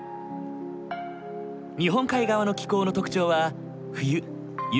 日本海側の気候の特徴は冬雪が多い事。